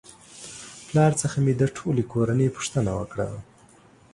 پلار څخه مې د ټولې کورنۍ پوښتنه وکړه